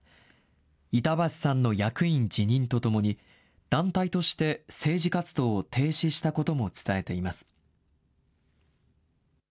板橋さんの役員辞任とともに、団体として政治活動を停止したことも伝えています。